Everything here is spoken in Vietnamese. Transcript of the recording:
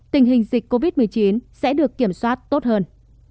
tình hình dịch covid một mươi chín sẽ được kiểm soát tốt hơn